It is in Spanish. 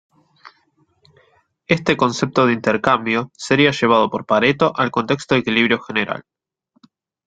Este concepto de intercambio sería llevado por Pareto al contexto de equilibrio general.